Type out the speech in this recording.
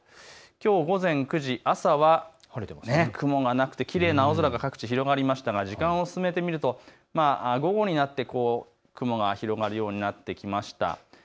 きょう午前９時朝は雲がなくてきれいな青空広がりましたが時間を進めてみると、午後になって雲が広がるようになってきました。